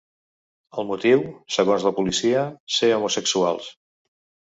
El motiu, segons la policia, ser homosexuals.